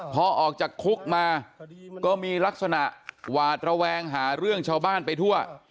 พอออกจากคุกมาก็มีลักษณะหวาดระแวงหาเรื่องชาวบ้านไปทั่ว